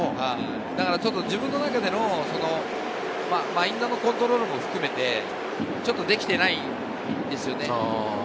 自分の中でのマインドのコントロールも含めて、ちょっとできていないですね。